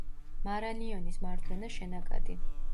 მარანიონის მარჯვენა შენაკადი.